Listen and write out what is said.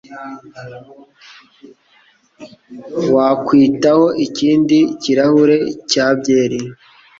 Wakwitaho ikindi kirahure cya byeri?